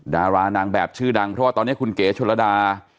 ดารานางแบบชื่อดังเพราะว่าตอนนี้คุณเก๋ชนระดา